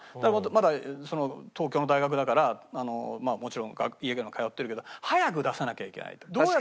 まだ東京の大学だからもちろん家から通ってるけど早く出さなきゃいけないと。